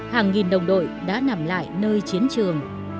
hàng nghìn đồng đội đã nằm lại nơi chiến trường